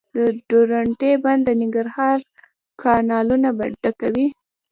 د درونټې بند د ننګرهار کانالونه ډکوي